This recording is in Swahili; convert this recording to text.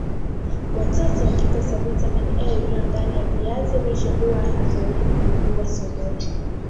Watoto wakikosa vitamini A iliyo ndani ya viazi lishe huwa hatarini kuugua surua